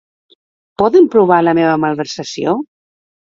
Poden provar la meva malversació?